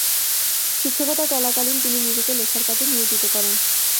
শিক্ষকতা চলাকালীন তিনি নিজেকে লেখার কাজে নিয়োজিত করেন।